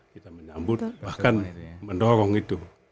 kita menyambut bahkan mendorong itu